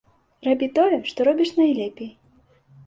Рабі тое, што робіш найлепей.